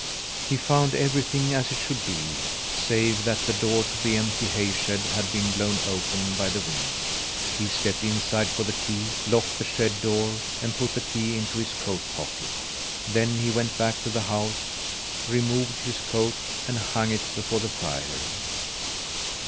He found everything as it should be, save that the door to the empty hay shed had been blown open by the wind. He stepped inside for the key, locked the shed door and put the key into his coat pocket. Then he went back to the house, removed his coat, and hung it before the fire.